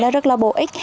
rất là bổ ích